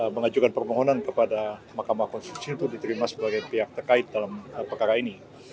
mengajukan permohonan kepada mahkamah konstitusi untuk diterima sebagai pihak terkait dalam perkara ini